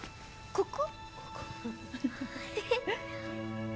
ここ。